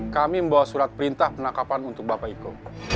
kami membawa surat perintah penangkapan untuk bapak iko